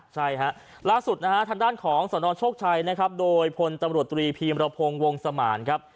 ใช่ครับล่าสุดทางด้านของสอนรชกชัยโดยพลตำรวจตรีพีมรพงศ์วงศ์สมาร